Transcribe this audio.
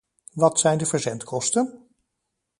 Wat zijn de verzendkosten?